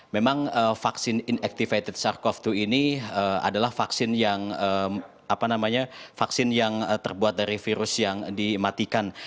memang vaksin inactivated sars cov dua ini adalah vaksin yang terbuat dari virus yang dimatikan